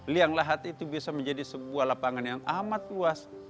liang lahat itu bisa menjadi sebuah lapangan yang amat luas